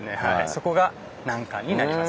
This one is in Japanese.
そこが難関になります。